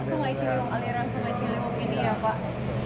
sungai ciliwung aliran sungai ciliwung ini ya pak